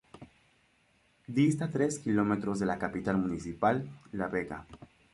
Dista tres kilómetros de la capital municipal, La Vega.